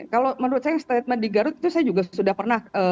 kalau menurut saya statement di garut itu saya juga sudah pernah